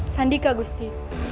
sandi kak gusti